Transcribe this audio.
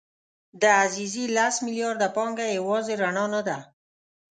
د عزیزي لس میلیارده پانګه یوازې رڼا نه ده.